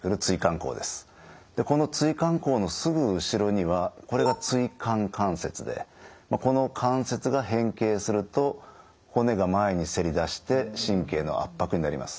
でこの椎間孔のすぐ後ろにはこれが椎間関節でこの関節が変形すると骨が前にせり出して神経の圧迫になります。